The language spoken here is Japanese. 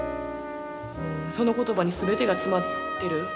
その言葉に全てが詰まってる。